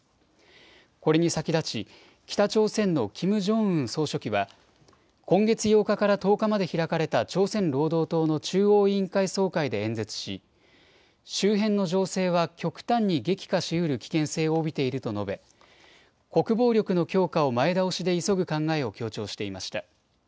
これに先立ち北朝鮮のキム・ジョンウン総書記は今月８日から１０日まで開かれた朝鮮労働党の中央委員会総会で演説し周辺の情勢は極端に激化しうる危険性を帯びていると述べ国防力の強化を前倒しで急ぐ考えを強調していました。